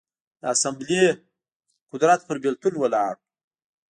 د اسامبلې قدرت پر بېلتون ولاړ و.